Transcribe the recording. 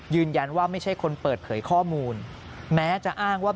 ไม่ใช่คนเปิดเผยข้อมูลแม้จะอ้างว่า